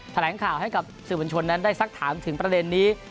แถลงข่าวให้กับสื่อบัญชนนั้นได้สักถามถึงประเด็นนี้